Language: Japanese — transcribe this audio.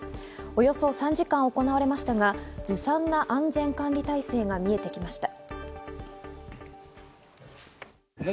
およそ３時間行われましたが、ずさんな安全管理体制が見えてきました。